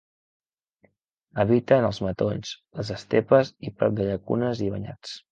Habita en els matolls, les estepes i prop de llacunes i banyats.